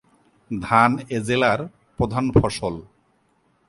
ধান এ জেলার প্রধান ফসল।